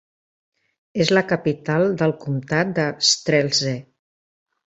És la capital del comtat de Strzelce.